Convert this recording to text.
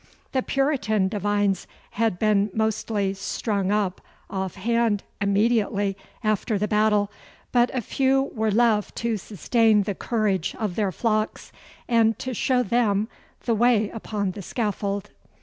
The Puritan divines had been mostly strung up off hand immediately after the battle, but a few were left to sustain the courage of their flocks, and to show them the way upon the scaffold.